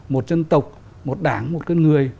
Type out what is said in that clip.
một dân tộc một đảng một con người